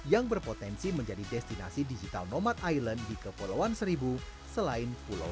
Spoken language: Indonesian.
yang berpotensi menjadi destinasi digital nomad island di kepulauan seribu selain pulau